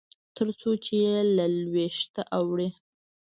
تر څو چې له لوېشته اوړي.